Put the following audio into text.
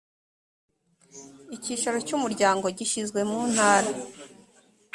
icyicaro cy umuryango gishyizwe mu ntara